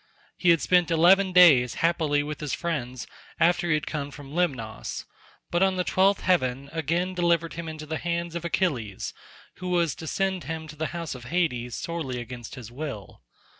He had spent eleven days happily with his friends after he had come from Lemnos, but on the twelfth heaven again delivered him into the hands of Achilles, who was to send him to the house of Hades sorely against his will.